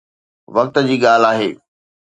وقت جي ڳالهه آهي